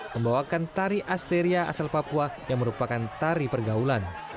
membawakan tari asteria asal papua yang merupakan tari pergaulan